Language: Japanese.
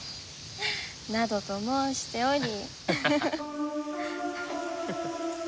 などと申しており。